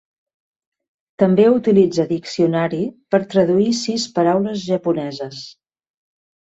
També utilitza "diccionari" per traduir sis paraules japoneses.